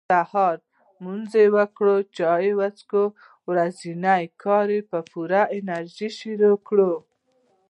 سهار لمونځ وکړه چاي وڅښه ورځني کار په پوره انرژي شروع کړه